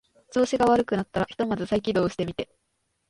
調子が悪くなったらひとまず再起動してみて